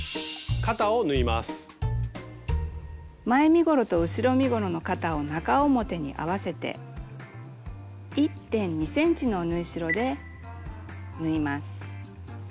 前身ごろと後ろ身ごろの肩を中表に合わせて１．２ｃｍの縫い代で縫います。